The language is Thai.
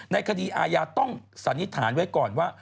ในคดีอาญาต้องสันนิษฐานไว้ก่อนว่า